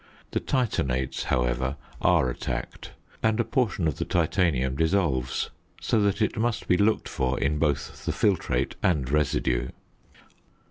The titanates, however, are attacked, and a portion of the titanium dissolves; so that it must be looked for in both the filtrate and residue.